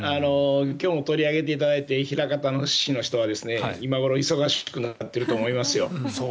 今日も取り上げていただいて枚方市の方は今頃忙しくなっていると思いますよ。